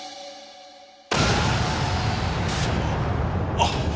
あっ。